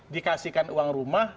dikasihkan uang rumah